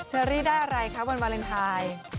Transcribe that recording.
อรี่ได้อะไรคะวันวาเลนไทย